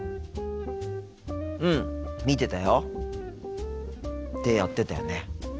うん見てたよ。ってやってたよね。